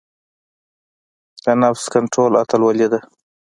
د نفس کنټرول اتلولۍ ده.